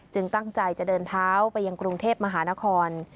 ตั้งใจจะเดินเท้าไปยังกรุงเทพมหานคร